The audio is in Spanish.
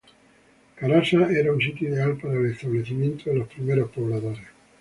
Carasa era un sitio ideal para el establecimiento de los primeros pobladores.